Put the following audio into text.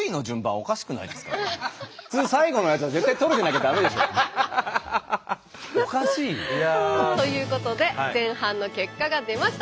おかしいよ。ということで前半の結果が出ました。